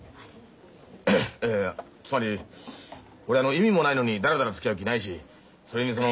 いやいやつまり俺あの意味もないのにダラダラつきあう気ないしそれにその。